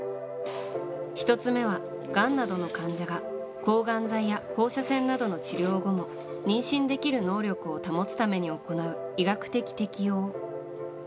１つ目は、がんなどの患者が抗がん剤や放射線などの治療後も妊娠できる能力を保つために行う医学的適応。